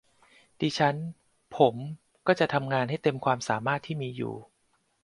ดิฉันผมก็จะทำงานให้เต็มความสามารถที่มีอยู่